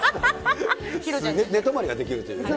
寝泊まりができるというね。